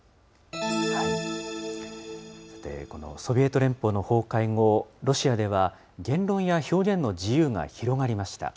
さて、このソビエト連邦の崩壊後、ロシアでは言論や表現の自由が広がりました。